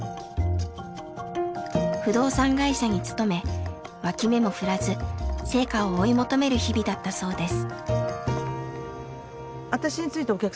不動産会社に勤め脇目も振らず成果を追い求める日々だったそうです。